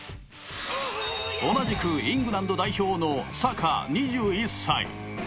同じくイングランド代表のサカ、２１歳。